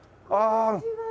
こんにちは。